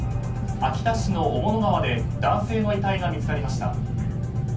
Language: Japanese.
秋田市の雄物川で男性の遺体が見つかりました。